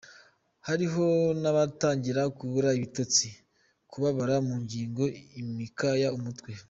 hariho n’abatangira kubura ibitotsi, kubabara mu ngingo, imikaya, umutwe,